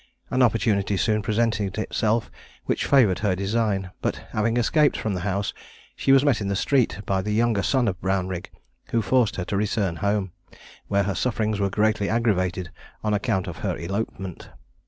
An opportunity soon presented itself which favoured her design; but having escaped from the house, she was met in the street by the younger son of Brownrigg, who forced her to return home, where her sufferings were greatly aggravated on account of her elopement.